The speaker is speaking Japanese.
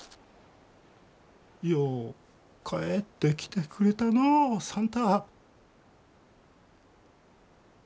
よう帰ってきてくれたのう算太。